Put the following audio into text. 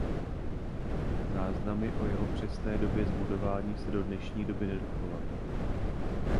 Záznamy o jeho přesné době zbudování se do dnešní doby nedochovaly.